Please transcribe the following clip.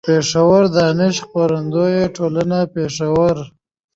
پېښور: دانش خپرندويه ټولنه، پېښور